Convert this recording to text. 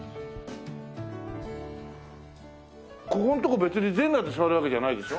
ここのとこ別に全裸で座るわけじゃないでしょ？